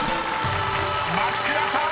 ［松倉さん